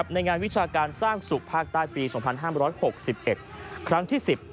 ในงานวิชาการสร้างสุขภาคใต้ปี๒๕๖๑ครั้งที่๑๐